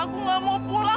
aku gak mau pulang